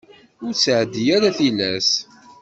Ur ttεeddi ara tilas.